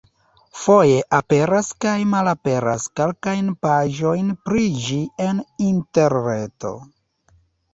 Foje aperas kaj malaperas kelkaj paĝoj pri ĝi en interreto.